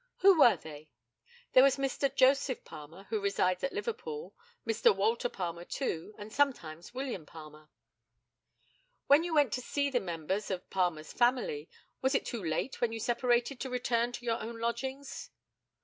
Who were they? There was Mr. Joseph Palmer, who resides at Liverpool; Mr. Walter Palmer, too; and sometimes William Palmer. When you went to see the members of Palmer's family, was it too late when you separated to return to your own lodgings?